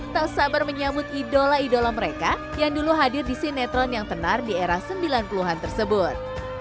tak sabar menyambut idola idola mereka yang dulu hadir di sinetron yang tenar di era sembilan puluh an tersebut